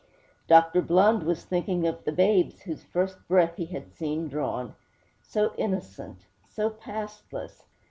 Dr. Blund was thinking of the babes whose first breath he had seen drawn. So innocent; so pastless!